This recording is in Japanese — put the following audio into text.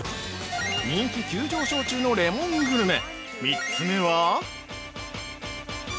◆人気急上昇中のレモングルメ３つ目は。